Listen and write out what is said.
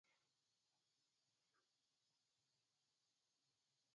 Honenbestez, bere hiltzeko epaia etsipenez onartzen du.